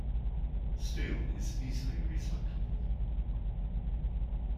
Steel is easily recyclable.